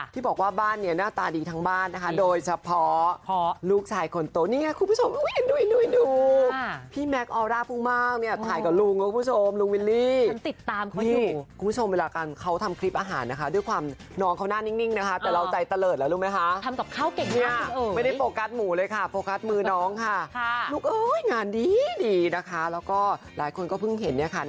ต้องบอกว่ามีอารมณ์เวลาพูดแบบชายแพทย์สยา